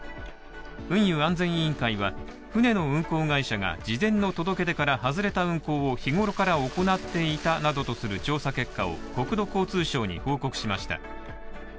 運輸安全委員会は船の運航会社が事前の届け出から外れた運航を日頃から行っていたなどとする調査結果を国土交通省に報告しました。